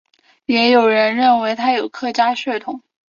也有人认为他有客家血统。